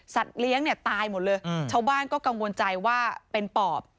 เลี้ยงเนี่ยตายหมดเลยชาวบ้านก็กังวลใจว่าเป็นปอบ